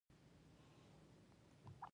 له بودا سره نژدې یوه زړه ودانۍ ولیده.